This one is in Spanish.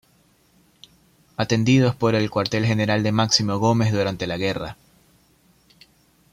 Atendidos por el Cuartel general de Máximo Gómez durante la guerra.